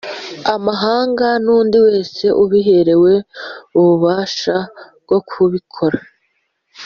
Amahanga nundi wese ubiherewe ububasha bwokubikora